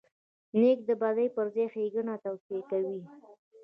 نیکه د بدۍ پر ځای ښېګڼه توصیه کوي.